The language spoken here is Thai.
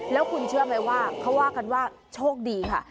แล้วคุณเชื่อไหมว่าเขาว่ากันว่าโชคดีค่ะ